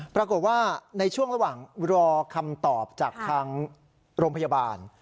ปรากฏว่าในช่วงระหว่างรอคำตอบจากทางโรงพยาบาล